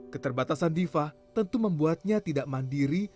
keterbatasan diva tentu membuatnya tidak mandiri